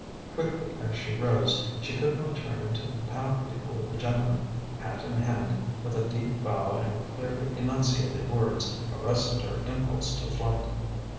Quickly as she rose, she could not turn into the path before the gentleman, hat in hand, with a deep bow and clearly enunciated words, arrested her impulse to flight.